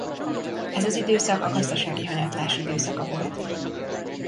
Ez az időszak a gazdasági hanyatlás időszaka volt.